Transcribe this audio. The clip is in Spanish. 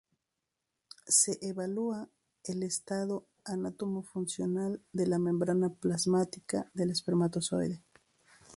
Se evalúa el estado anatomo-funcional de la membrana plasmática del espermatozoide.